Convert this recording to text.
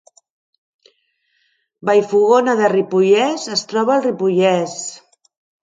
Vallfogona de Ripollès es troba al Ripollès